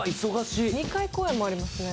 ２回公演もありますね。